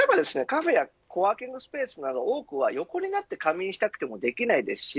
カフェやコワーキングスペースなど多くは横になって仮眠したくてもできないですし